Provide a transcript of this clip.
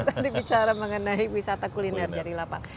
tadi bicara mengenai wisata kuliner jadi lapak